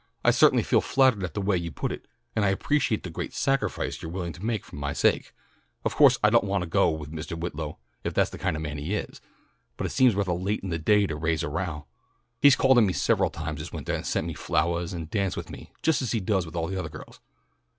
"I certainly feel flattered at the way you put it, and I appreciate the great sacrifice you're willing to make for my sake. Of co'se I don't want to go with Mistah Whitlow if that's the kind of man he is, but it seems rathah late in the day to raise a row. He's called on me several times this wintah and sent me flowahs and danced with me, just as he does with all the othah girls.